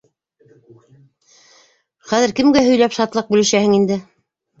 Хәҙер кемгә һөйләп шатлыҡ бүлешәһең инде.